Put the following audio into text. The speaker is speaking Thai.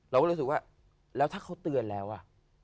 เราก็รู้สึกว่าแล้วถ้าเขาเตือนแล้วอ่ะ